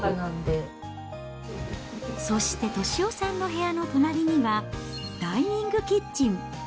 そして俊雄さんの部屋の隣には、ダイニングキッチン。